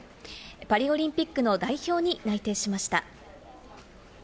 パリオリンピックの代表に内定しました。